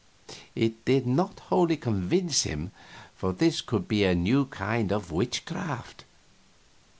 It did not wholly convince him, for this could be a new kind of witchcraft.